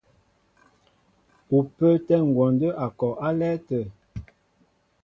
Ú pə́ə́tɛ́ ngwɔndə́ a kɔ álɛ́ɛ́ tə̂.